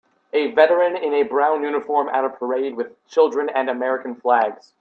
a veteran in a brown uniform at a parade with children and American flags